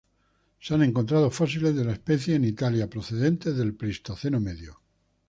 Se han encontrado fósiles de la especie en Italia procedentes del Pleistoceno medio.